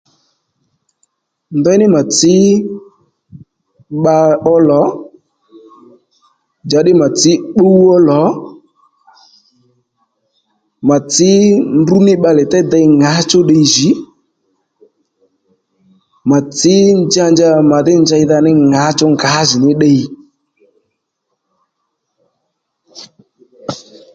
Ndeyní mà tsǐ bba ó lò njàddí mà tsǐ pbúw ó lò mà tsǐ ndrǔ ní bbalè déy dey ŋǎchú ddiy jì mà tsǐ njanja màdhí njeydha ní ŋǎchú ngǎjìní ddiy